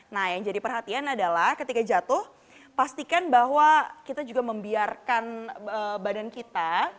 nah yang jadi perhatian adalah ketika jatuh pastikan bahwa kita juga membiarkan badan kita